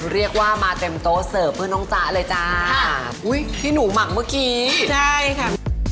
เรียกว่ามาเต็มโต๊ะเสิร์ฟเพื่อนน้องจ๊ะเลยจ้าอุ้ยที่หนูหมักเมื่อกี้ใช่ค่ะ